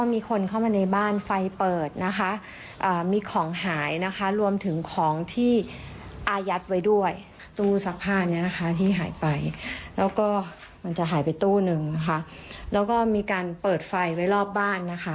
มันจะหายไปตู้หนึ่งนะคะแล้วก็มีการเปิดไฟไว้รอบบ้านนะคะ